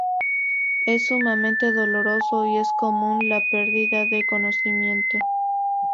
Es sumamente doloroso, y es común la perdida de conocimiento.